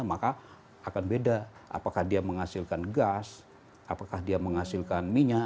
maka akan beda apakah dia menghasilkan gas apakah dia menghasilkan minyak